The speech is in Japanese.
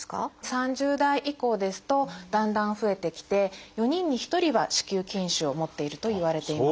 ３０代以降ですとだんだん増えてきて４人に１人は子宮筋腫を持っているといわれています。